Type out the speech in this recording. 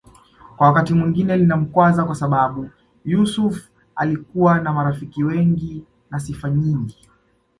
Wakati mwingine linamkwaza kwasababu Yusuf alikuwa na marafiki wengi na sifa nyingi